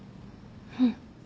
うん。